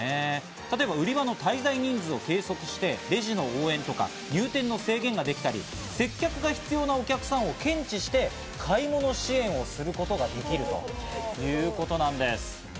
例えば売り場の滞在人数を計測して、レジの応援とか入店の制限ができたり、接客が必要なお客さんを検知して、買い物支援をすることができるということなんです。